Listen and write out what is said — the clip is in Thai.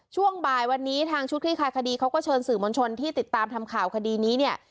ช่วงบ่ายวันนี้ทางชุดคลี่คลายคดีเขาก็เชิญสื่อมวลชนที่ติดตามทำข่าวคดีนี้เนี่ย